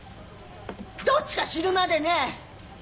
どっちか死ぬまでね。